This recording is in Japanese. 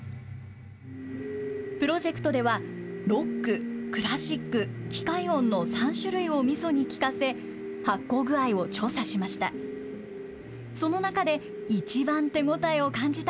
プロジェクトでは、ロック、クラシック、機械音の３種類をみそに聴かせ、発酵具合を調査しました。